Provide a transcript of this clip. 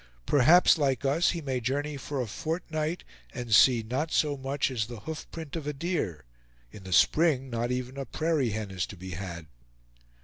Perhaps, like us, he may journey for a fortnight, and see not so much as the hoof print of a deer; in the spring, not even a prairie hen is to be had.